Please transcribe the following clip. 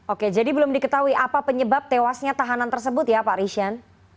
oke jadi belum diketahui apa penyebab tewasnya tahanan tersebut ya pak rishan